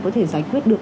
có thể giải quyết được